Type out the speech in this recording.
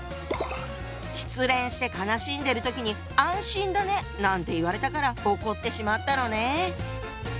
失恋して悲しんでる時に「安心だね！」なんて言われたから怒ってしまったのね。